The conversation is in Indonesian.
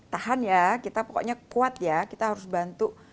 tahan ya kita pokoknya kuat ya kita harus bantu